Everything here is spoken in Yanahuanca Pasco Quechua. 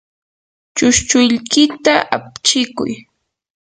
chushchuykita apchikuy.